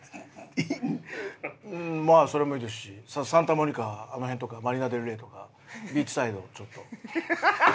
まあそれもいいですしサンタモニカあの辺とかマリナ・デル・レイとかビーチサイドをちょっと。